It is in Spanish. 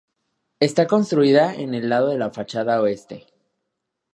Está construida en el lado de la fachada oeste.